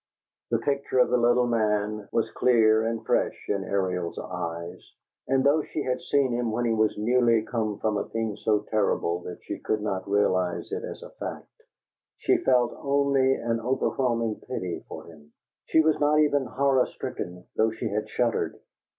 The picture of the little man was clear and fresh in Ariel's eyes, and though she had seen him when he was newly come from a thing so terrible that she could not realize it as a fact, she felt only an overwhelming pity for him. She was not even horror stricken, though she had shuddered.